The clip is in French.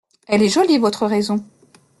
Elle est jolie votre raison !…